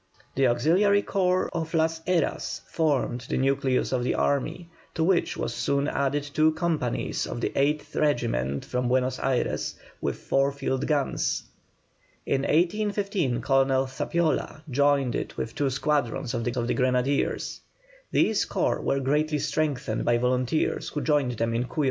The auxiliary corps of Las Heras formed the nucleus of this army, to which was soon added two companies of the 8th Regiment from Buenos Ayres, with four field guns. In 1815 Colonel Zapiola joined it with two squadrons of the Grenadiers. These corps were greatly strengthened by volunteers, who joined them in Cuyo.